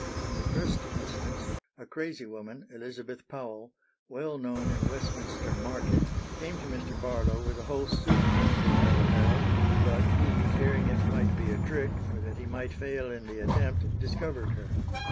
In the first instance a crazy woman, Elizabeth Powell, well known in Westminster Market, came to Mr. Barlow with a whole suit of female apparel, but "he, fearing it might be a trick, or that he might fail in the attempt, discovered her."